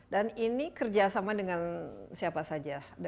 dan ini kerjasama dengan siapa saja